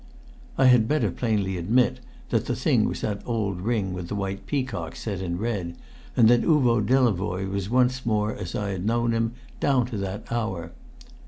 I had better admit plainly that the thing was that old ring with the white peacock set in red, and that Uvo Delavoye was once more as I had known him down to that hour.